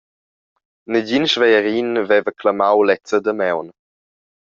Negin svegliarin veva clamau lezza damaun.